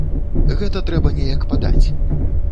Гэта трэба неяк падаць.